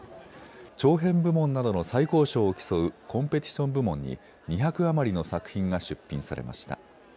長編部門などの最高賞を競うコンペティション部門に２００余りの作品が出品されました。